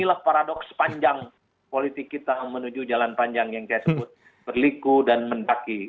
inilah paradoks panjang politik kita menuju jalan panjang yang saya sebut berliku dan mendaki